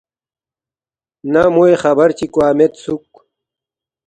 نہ موے خبر چی کوا میدسُوک